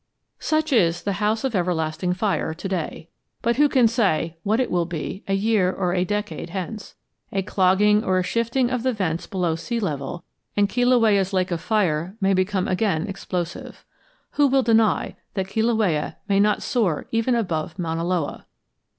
Such is "The House of Everlasting Fire" to day. But who can say what it will be a year or a decade hence? A clogging or a shifting of the vents below sea level, and Kilauea's lake of fire may become again explosive. Who will deny that Kilauea may not soar even above Mauna Loa?